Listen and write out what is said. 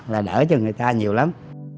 là đỡ cho người ta nhiều lắm